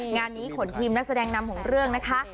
งานนี้ขนทีมนักแสดงนำของเรื่องนะคะ